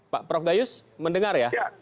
pak prof gayus mendengar ya